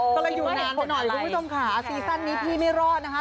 ต้องอยู่นานหน่อยคุณผู้ชมขาซีสันนี้พี่ไม่รอดนะคะ